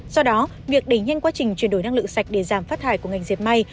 do đó việc đẩy nhanh quá trình chuyển đổi năng lượng sạch để giảm phát thải của ngành dẹp may